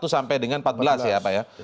satu sampai dengan empat belas ya pak ya